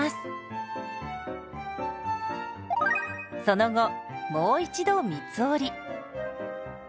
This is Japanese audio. その後もう一度三つ折り。